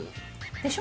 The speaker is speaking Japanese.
でしょ？